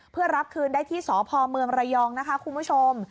เพื่อรับคืนได้ที่สพเมืองระยองนะคะคุณผู้ชม